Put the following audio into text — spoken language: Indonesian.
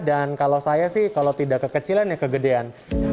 dan kalau saya sih kalau tidak kekecilan ya kegedean